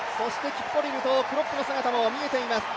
キプコリルとクロップの姿も見えています。